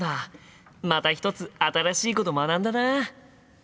また一つ新しいこと学んだな！